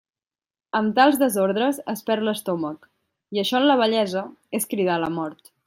Amb tals desordres es perd l'estómac, i això en la vellesa és cridar a la mort.